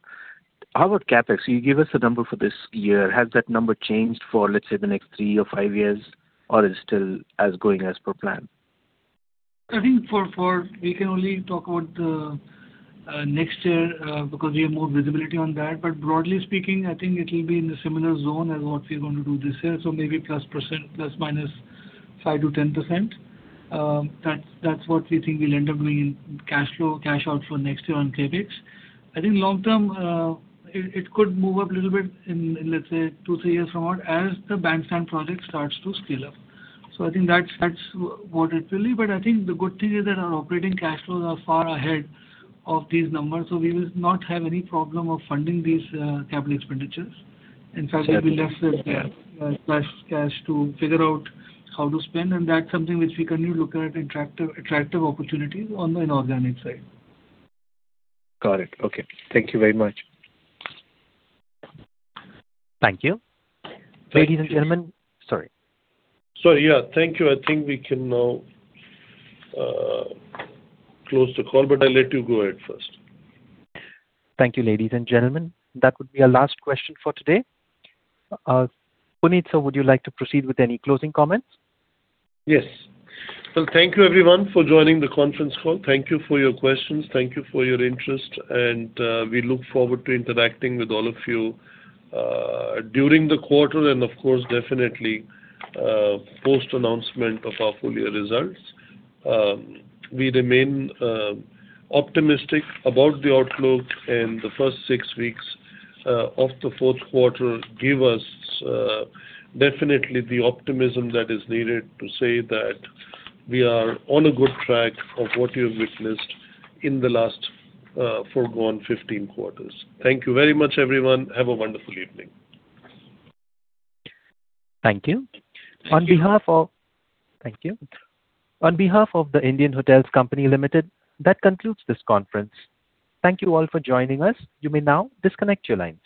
about CapEx? You gave us a number for this year. Has that number changed for, let's say, the next three or five years, or is it still as going as per plan? I think we can only talk about next year because we have more visibility on that. But broadly speaking, I think it will be in a similar zone as what we're going to do this year. So maybe ±5%-10%. That's what we think we'll end up doing in cash outflow next year on CapEx. I think long term, it could move up a little bit in, let's say, 2-3 years from now as the Bandstand project starts to scale up. So I think that's what it will be. But I think the good thing is that our operating cash flows are far ahead of these numbers, so we will not have any problem of funding these capital expenditures. In fact, we have left with, plus cash to figure out how to spend, and that's something which we continue looking at attractive, attractive opportunities on an organic side. Got it. Okay. Thank you very much. Thank you. Thank you. Ladies and gentlemen... Sorry. Sorry. Yeah. Thank you. I think we can now close the call, but I'll let you go ahead first. Thank you, ladies and gentlemen. That would be our last question for today. Puneet, sir, would you like to proceed with any closing comments? Yes. Well, thank you everyone for joining the conference call. Thank you for your questions. Thank you for your interest, and we look forward to interacting with all of you during the quarter and of course, definitely, post-announcement of our full year results. We remain optimistic about the outlook, and the first six weeks of the fourth quarter give us definitely the optimism that is needed to say that we are on a good track of what you have witnessed in the last foregone fifteen quarters. Thank you very much, everyone. Have a wonderful evening. Thank you. Thank you. Thank you. On behalf of the Indian Hotels Company Limited, that concludes this conference. Thank you all for joining us. You may now disconnect your lines.